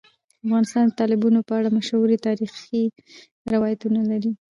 افغانستان د تالابونه په اړه مشهور تاریخی روایتونه لري.